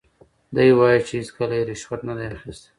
دی وایي چې هیڅکله یې رشوت نه دی اخیستی.